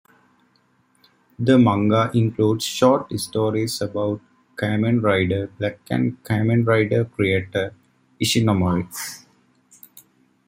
The manga includes short stories about Kamen Rider Black and Kamen Rider creator Ishinomori.